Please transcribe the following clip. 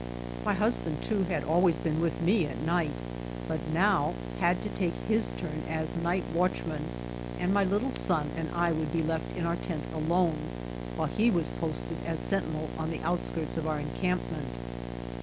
My husband, too, had always been with me at night, but now had to take his turn as night watchman, and my little son and I would be left in our tent alone, while he was posted as sentinel on the outskirts of our encampment.